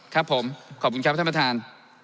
ครับผมขอบคุณครับท่านประธาน